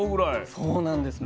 そうなんです。